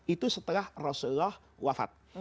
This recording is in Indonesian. itu setelah rasulullah wafat